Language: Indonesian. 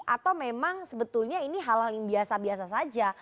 atau memang sebetulnya ini halal yang biasa biasa saja